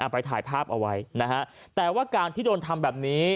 ไปถ่ายภาพเอาไว้นะฮะแต่ว่าการที่โดนทำแบบนี้